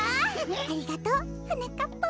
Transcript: ありがとうはなかっぱん。